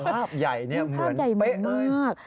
ภาพใหญ่นี่เหมือนเป๊ะมาก